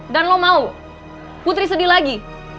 dan lo mau putri sedih lagi